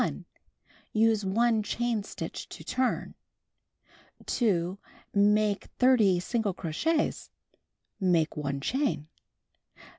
Use 1 chain stitch to turn. 2. Make 30 single crochets. Make 1 chain.